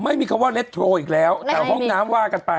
ไม่มีคำว่าเล็ดโทรอีกแล้วแต่ห้องน้ำว่ากันไป